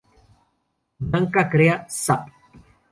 Blanca crea "Zap!